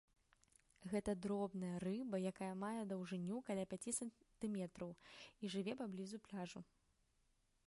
Гэта дробная рыба, якая мае даўжыню каля пяці сантыметраў, і жыве паблізу пляжу.